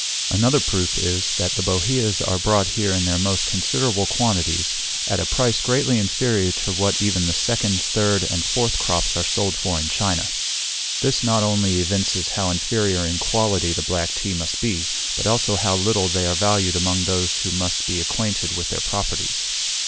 Another proof is, that the boheas are brought here in the most considerable quantities, at a price greatly inferior to what even the second, third, and fourth crops are sold for in China. This not only evinces how inferior in quality the black tea must be, but also how little they are valued among those who must be acquainted with their properties.